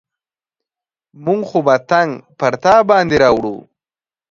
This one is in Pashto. موږ خو به تنګ پر تا باندې راوړو.